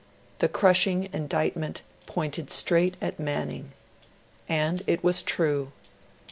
The crushing indictment pointed straight at Manning. And it was true.